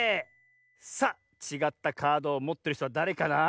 さあちがったカードをもってるひとはだれかな？